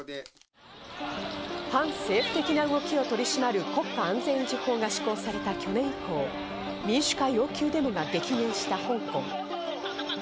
反政府的な動きを取り締まる国家安全維持法が施行された去年以降、民主化要求デモが激減した香港。